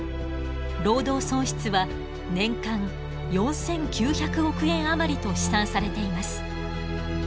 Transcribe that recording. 労働損失は年間４，９００億円余りと試算されています。